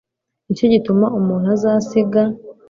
ni cyo gituma umuntu azasiga